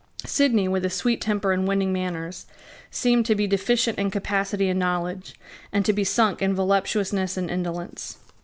Sidney, with a sweet temper and winning manners, seemed to be deficient in capacity and knowledge, and to be sunk in voluptuousness and indolence.